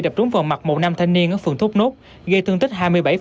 đập trúng vào mặt một nam thanh niên ở phường thốt nốt gây thương tích hai mươi bảy